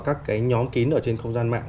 các nhóm kín trên không gian mạng